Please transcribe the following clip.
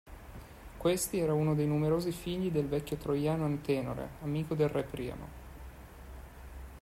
Questi era uno dei numerosi figli del vecchio troiano Antenore, amico del re Priamo.